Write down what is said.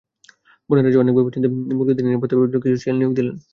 বনের রাজা অনেক ভেবে-চিন্তে মুরগিদের নিরাপত্তার জন্য কিছু শিয়াল নিয়োগ দিলেন।